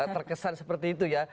terkesan seperti itu ya